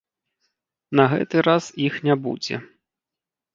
На гэты раз іх не будзе.